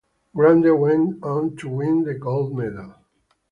Grande went on to win the gold medal.